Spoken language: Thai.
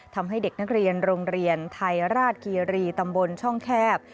ทำให้เด็กนักเรียนโรงเรียนไทยราชกีรีตำบลช่องแคบ